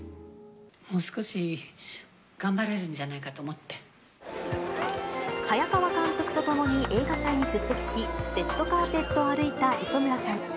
もう少し頑張れるんじゃない早川監督と共に映画祭に出席し、レッドカーペットを歩いた磯村さん。